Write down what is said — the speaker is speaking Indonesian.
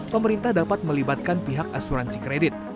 pemerintah dapat melibatkan pihak asuransi kredit